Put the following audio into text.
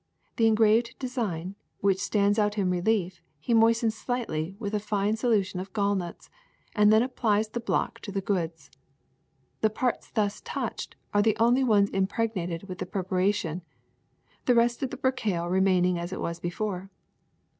The en graved design, which stands out in relief, he moistens slightly with a fine solution of gallnuts, and then applies the block to the goods. The parts thus touched are the only ones impregnated with this preparation, the rest of the percale remaining as it was before.